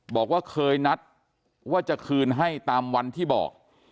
บอกว่าเคยนัดว่าจะคืนให้ตามวันที่บอก